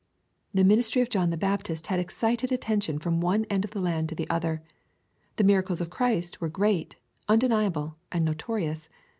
The ministry of John the Baptist had excited attention from one end of the land to the other. The miracles of Christ were great, undeniable, and notorious.